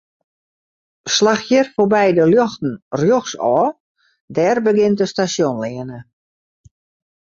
Slach hjir foarby de ljochten rjochtsôf, dêr begjint de Stasjonsleane.